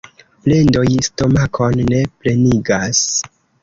Plendoj stomakon ne plenigas.